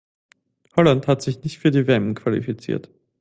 Holland hat sich nicht für die WM qualifiziert.